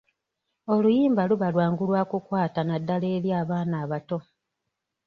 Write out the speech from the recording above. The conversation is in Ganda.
Oluyimba luba lwangu lwa kukwata naddala eri abaana abato.